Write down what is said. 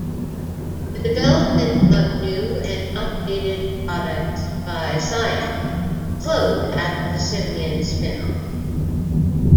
The development of new and updated products by Psion slowed after the Symbian spin-off.